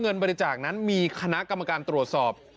เงินบริจาคนั้นมีคณะกรรมการตรวจสอบ